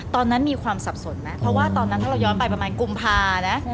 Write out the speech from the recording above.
ตอนนั้นมีความสับสนไหมเพราะว่าตอนนั้นถ้าเราย้อนไปประมาณกุมภานะ